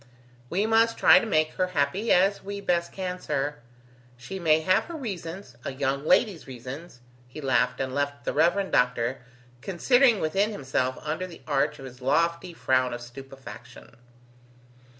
"We must try to make her happy as we best can, sir. She may have her reasons a young lady's reasons!" He laughed, and left the Rev. Doctor considering within himself under the arch of his lofty frown of stupefaction.